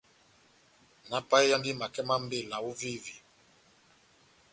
Náhápayeyandi makɛ má mbela óvévé ?